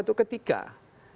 atau ada di tempat ibu ibu